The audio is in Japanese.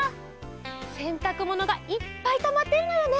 せんたくものがいっぱいたまっているのよね。